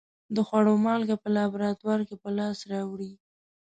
د خوړو مالګه په لابراتوار کې په لاس راوړي.